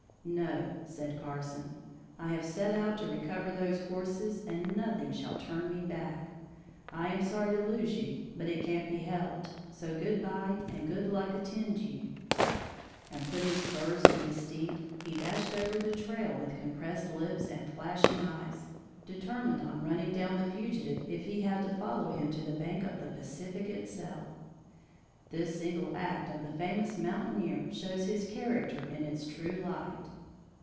"No," said Carson, "I have set out to recover those horses and nothing shall turn me back. I am sorry to lose you, but it can't be helped; so good bye and good luck attend you." And putting spurs to his steed, he dashed over the trail with compressed lips and flashing eye, determined on running down the fugitive if he had to follow him to the bank of the Pacific itself. This single act of the famous mountaineer shows his character in its true light.